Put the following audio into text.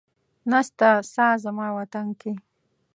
نسته ساه زما وطن کي